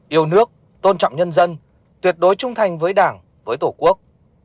yêu nước tôn trọng nhân dân tuyệt đối trung thành với đảng với tổ quốc